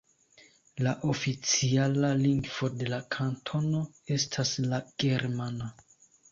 La oficiala lingvo de la kantono estas la germana.